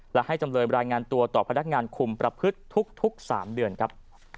และให้จำเลยรายงานตัวต่อพนักงานคุมประพฤติทุก๓เดือนครับ